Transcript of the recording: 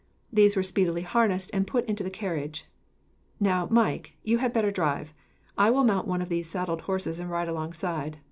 These were speedily harnessed, and put into the carriage. "Now, Mike, you had better drive. I will mount one of these saddle horses and ride alongside.